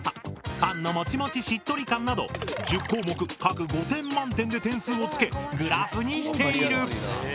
「パンのもちもちしっとり感」など１０項目各５点満点で点数を付けグラフにしている！